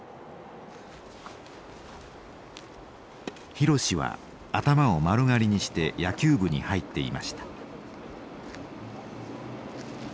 博は頭を丸刈りにして野球部に入っていました。